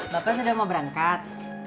bapak sudah mau berangkat